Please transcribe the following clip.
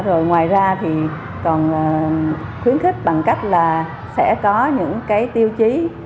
rồi ngoài ra thì còn khuyến khích bằng cách là sẽ có những cái tiêu chí